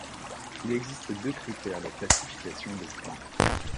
Il existe deux critères de classification de points.